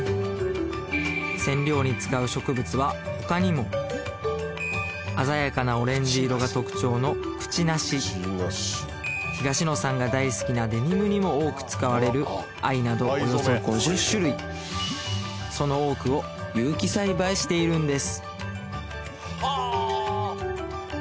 染料に使う植物は鮮やかなオレンジ色が特徴のクチナシ東野さんが大好きなデニムにも多く使われる藍などおよそ５０種類その多くを有機栽培しているんです